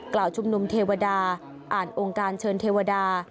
ชุมนุมเทวดาอ่านองค์การเชิญเทวดา